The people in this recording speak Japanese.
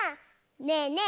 ねえねえ